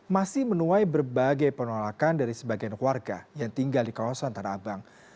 masih menuai berbagai penolakan dari sebagian warga yang tinggal di kawasan tanah abang